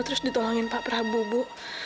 terus ditolongin pak prabu ibu